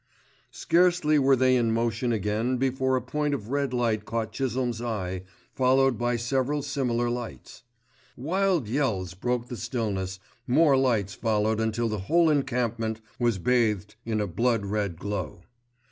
Scarcely were they in motion again before a point of red fire caught Chisholme's eye, followed by several similar lights. Wild yells broke the stillness, more lights followed until the whole encampment was bathed in a blood red glow.